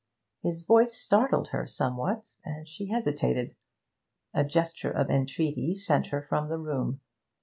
His voice startled her somewhat, and she hesitated. A gesture of entreaty sent her from the room.